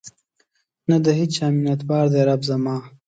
نه د هیچا منتبار دی رب زما